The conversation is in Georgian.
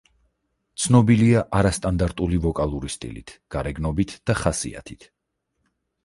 ცნობილია არასტანდარტული ვოკალური სტილით, გარეგნობით და ხასიათით.